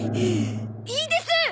いいです！